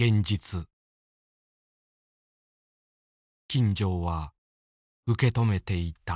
金城は受け止めていた。